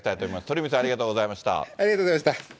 鳥海さん、ありがとうございました。